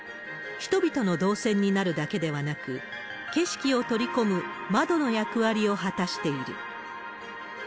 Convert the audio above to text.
人々の動線になるだけではなく、景色を取り込む窓の役割を果たしている。